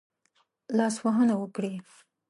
لاسوهنه وکړي.